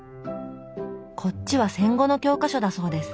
こっちは戦後の教科書だそうです。